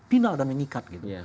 final dan mengikat gitu